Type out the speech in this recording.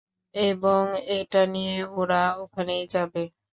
এবং, এটা নিয়ে ওরা ওখানেই যাবে!